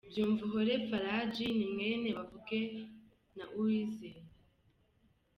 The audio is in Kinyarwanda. Byumvuhore Faragie ni mwene Bavuge na Uwizeye.